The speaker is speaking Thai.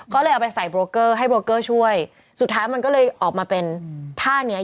ก็เลยเอาไปใส่โบรกเกอร์ให้โบรเกอร์ช่วยสุดท้ายมันก็เลยออกมาเป็นท่าเนี้ย